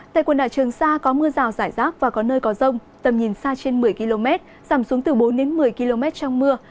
tại quần đảo trường sa có mưa rào rải rác và có nơi có rông tầm nhìn xa trên một mươi km giảm xuống từ bốn đến một mươi km trong mưa